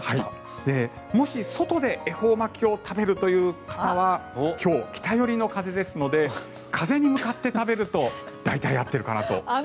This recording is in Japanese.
もし外で恵方巻きを食べるという方は今日、北寄りの風ですので風に向かって食べると大体合っているかなと。